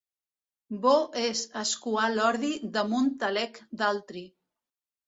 Bo és escuar l'ordi damunt talec d'altri.